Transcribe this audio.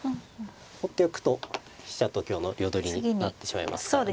放っておくと飛車と香の両取りになってしまいますからね。